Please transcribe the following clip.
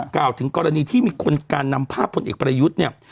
กล่าวถึงกรณีที่มีคนการนำภาพผลเอกประยุทธ์เนี่ย